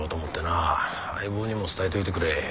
相棒にも伝えておいてくれ。